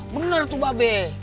bener tuh mbak b